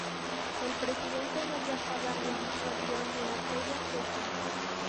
El Presidente no viajaba en dicho avión en aquella fecha.